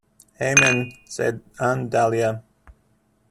"Amen," said Aunt Dahlia.